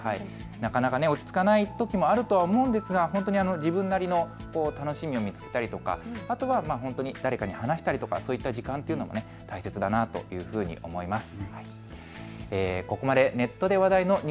なかなか落ち着かないこともあると思うんですが、自分なりの楽しみを見つけたりとかあとは誰かに話したりとかそういった時間っていうのが大切だなというふうに思います。